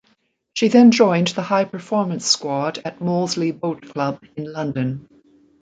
She then joined the high performance squad at Molesey Boat Club in London.